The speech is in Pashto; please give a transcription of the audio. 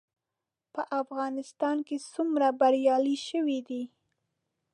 په افغانستان کې څومره بریالي شوي دي؟